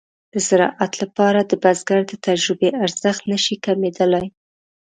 د زراعت لپاره د بزګر د تجربې ارزښت نشي کمېدلای.